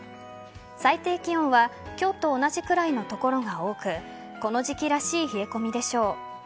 最低気温は今日と同じくらいの所が多くこの時期らしい冷え込みでしょう。